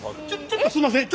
ちょっとすんません。